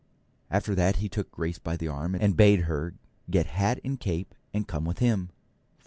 After that he took Grace by the arm, and bade her get hat and cape and come with him.